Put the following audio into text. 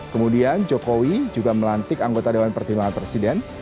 kemudian jokowi juga melantik anggota dewan pertimbangan presiden